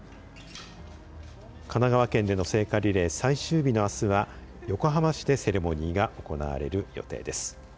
神奈川県での聖火リレー最終日のあすは横浜市でセレモニーが行われる予定です。